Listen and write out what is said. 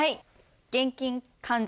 現金勘定。